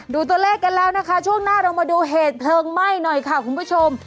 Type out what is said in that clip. ดูตัวเลขกันแล้วนะคะช่วงหน้าเรามาดูเหตุเพลิงไหม้หน่อยค่ะคุณผู้ชม